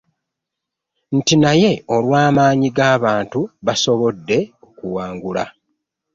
Nti naye olw'amaanyi g'abantu basobodde okuwangula